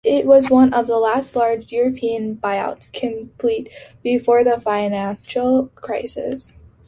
It was one of the last large European buyouts completed before the financial crisis.